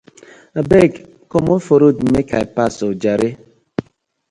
Abeg komot for road mek I pass oh jare.